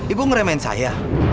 ibu ngeremen saya